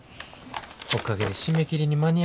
おかげで締め切りに間に合うわ。